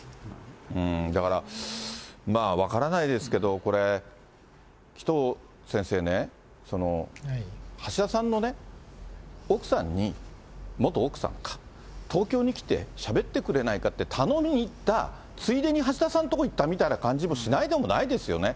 だから、まあ分からないですけど、これ、紀藤先生ね、橋田さんの奥さんに、元奥さんか、東京に来て、しゃべってくれないかって頼みに行ったついでに橋田さんの所に行ったみたいな感じしないでもないですよね。